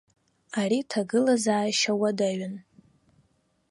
Ари ҭагылазаашьа уадаҩын.